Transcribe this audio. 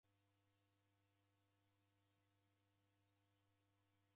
Odevavirwa ni vitoi ikwau.